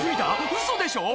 ウソでしょ